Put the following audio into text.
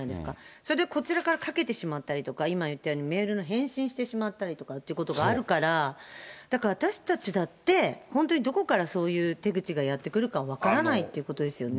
それでこちらからかけてしまったりとか、今言ったようにメールの返信してしまったりとかっていうことがあるから、だから私たちだって、本当にどこからそういう手口がやって来るか分からないってことですよね。